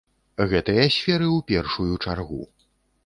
Гэтыя сферы ў першую чаргу.